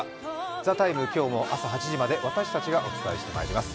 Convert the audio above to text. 「ＴＨＥＴＩＭＥ，」、今日も朝８時まで私たちがお伝えしてまいります。